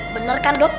bener kan dok